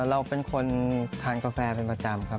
เราเป็นคนทานกาแฟเป็นประจำครับ